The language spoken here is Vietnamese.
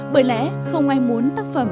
bởi lẽ không ai muốn tác phẩm